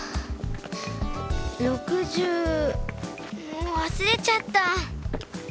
６０もうわすれちゃった。